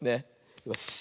よし。